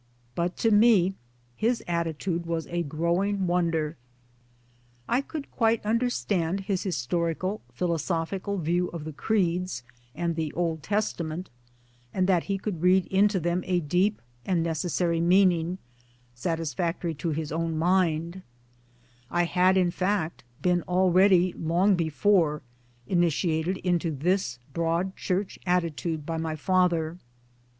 But to me his attitude was a growing wonder. I could quite understand his historical philosophical view of the Creeds and the Old Testament, and that he could read into them a deep and necessary meaning, satisfactory to his own mind ; I had in fact been already, long before, initiated into this Broad Church attitude by my father.